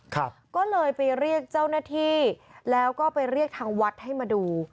ก็เลยไปเรียกเจ้าหน้าที่แล้วก็ไปเรียกทางวัดให้มาดู